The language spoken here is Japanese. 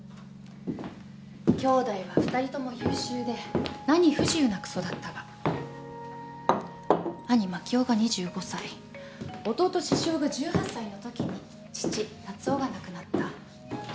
兄弟は２人とも優秀で何不自由なく育ったが兄万亀雄が２５歳弟獅子雄が１８歳のときに父多鶴雄が亡くなった。